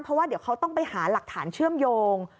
เพราะว่าเดี๋ยวเขาต้องไปหาหลักฐานเชื่อมโยง